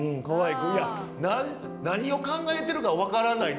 うん何を考えてるか分からない。